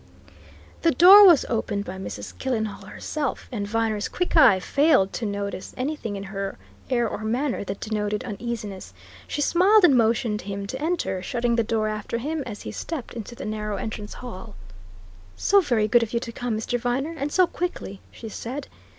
The door was opened by Mrs. Killenhall herself, and Viner's quick eye failed to notice anything in her air or manner that denoted uneasiness. She smiled and motioned him to enter, shutting the door after him as he stepped into the narrow entrance hall. "So very good of you to come, Mr. Viner, and so quickly," she said.